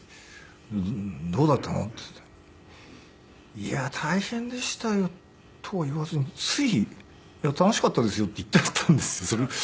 「いや大変でしたよ」とは言わずについ「楽しかったですよ」って言っちゃったんですよ。